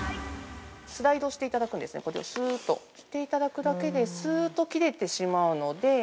スライドしていただくんですね、これをすっーと。していただくだけで、すっと切れてしまうので。